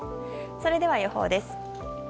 それでは予報です。